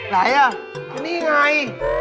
ไหนอ่ะนี่ไง